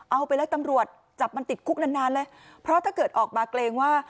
เอาไปแล้วตำรวจจับมันติดคุกนานนานเลยเพราะถ้าเกิดออกมาเกรงว่า